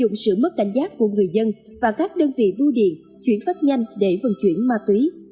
cảnh giác của người dân và các đơn vị bưu điện chuyển phép nhanh để vận chuyển ma túy